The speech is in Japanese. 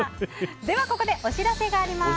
ではここでお知らせがあります。